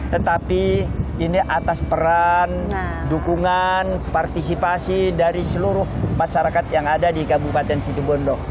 tetapi ini atas peran dukungan partisipasi dari seluruh masyarakat yang ada di kabupaten situbondo